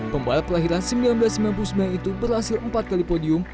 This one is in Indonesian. pembalap kelahiran seribu sembilan ratus sembilan puluh sembilan itu berhasil empat kali podium